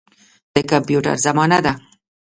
د کمپیوټر زمانه ده.